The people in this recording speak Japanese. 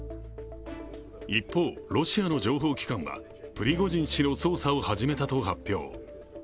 一方、ロシアの情報機関はプリゴジン氏の捜査を始めたと発表。